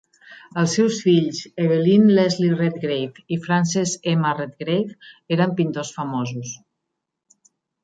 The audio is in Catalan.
Els seus fills Evelyn Leslie Redgrave i Frances M. Redgrave eren pintors famosos.